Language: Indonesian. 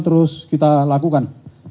terus kita lakukan